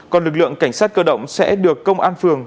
còn lực lượng cảnh sát cơ động sẽ được công an phường